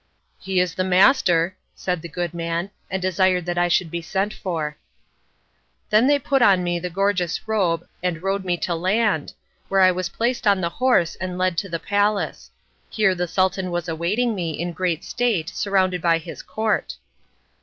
"He is the master," said the good man, and desired that I should be sent for. Then they put on me the gorgeous robe and rowed me to land, where I was placed on the horse and led to the palace. Here the Sultan was awaiting me in great state surrounded by his court.